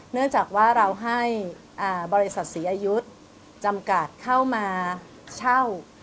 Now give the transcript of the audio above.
เนื่องจากว่าเราให้บริษัทศรีอายุจำกัดเข้ามาเช่า